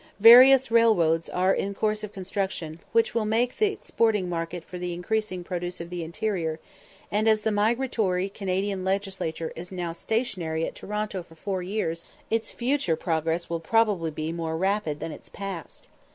Various railroads are in course of construction, which will make it the exporting market for the increasing produce of the interior; and as the migratory Canadian Legislature is now stationary at Toronto for four years, its future progress will probably be more rapid than its past.